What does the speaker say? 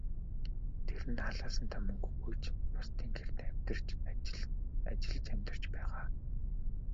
Тэр нь халаасандаа мөнгө ч үгүй, бусдын гэрт ажиллаж амьдарч байгаа.